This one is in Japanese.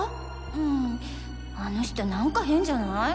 うんあの人なんか変じゃない？